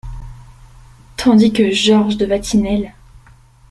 Tandis que Georges de Vatinelle !…